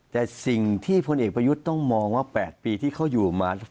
แต่สิ่งที่พ่อเอกประยุทธิ์มองว่า๘ปีที่เขามาทำไม